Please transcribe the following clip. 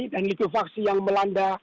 dan mikrifaksi yang melanda